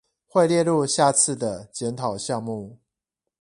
會列入下次的檢討項目